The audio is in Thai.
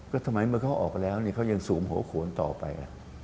ก็ทำไมเมื่อเขาออกไปแล้วเขายังสูมหัวโขนต่อไป